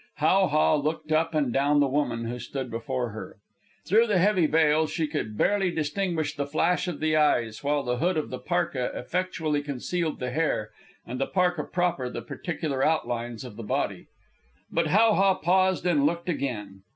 How ha looked up and down the woman who stood before her. Through the heavy veil she could barely distinguish the flash of the eyes, while the hood of the parka effectually concealed the hair, and the parka proper the particular outlines of the body. But How ha paused and looked again.